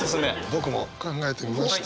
僕も考えてみました。